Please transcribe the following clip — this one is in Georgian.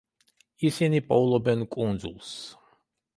ისინი პოულობენ კუნძულს.